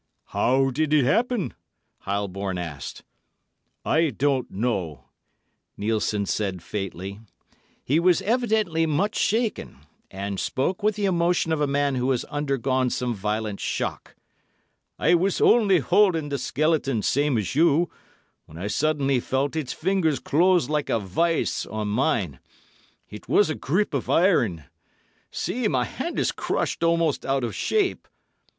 "How did it happen?" Heilborn asked. "I don't know," Nielssen said faintly. He was evidently much shaken, and spoke with the emotion of a man who has undergone some violent shock. "I was only holding the skeleton the same as you, when I suddenly felt its fingers close like a vice on mine. It was a grip of iron. See, my hand is crushed almost out of shape!"